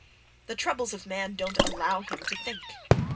The troubles of man don't allow him to think....